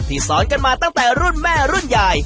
สอนกันมาตั้งแต่รุ่นแม่รุ่นใหญ่